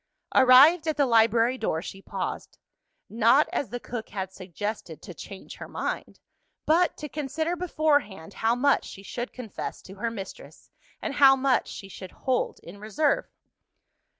Arrived at the library door, she paused. Not as the cook had suggested, to "change her mind;" but to consider beforehand how much she should confess to her mistress, and how much she should hold in reserve.